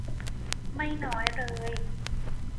ไม่น้อยเลย